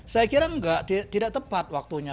saya kira tidak tepat waktunya